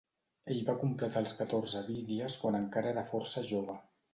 Ell va completar els catorze Vidyas quan encara era força jove.